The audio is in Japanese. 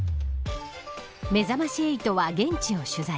めざまし８は現地を取材。